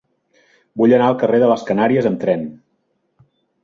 Vull anar al carrer de les Canàries amb tren.